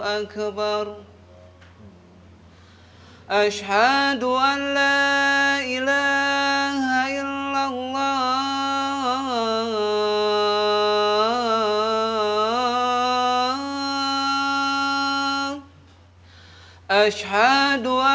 itu baru masalah buat tete